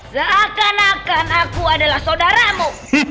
seakan akan aku adalah saudaramu